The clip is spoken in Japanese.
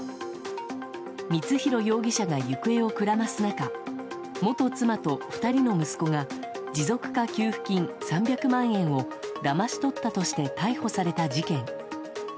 光弘容疑者が行方をくらます中元妻と２人の息子が持続化給付金３００万円をだまし取ったとして逮捕された事件。